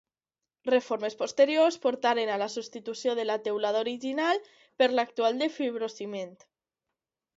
Reformes posteriors portaren a la substitució de la teulada original per l'actual de fibrociment.